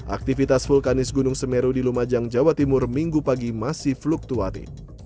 aktivitas vulkanis gunung semeru di lumajang jawa timur minggu pagi masih fluktuatif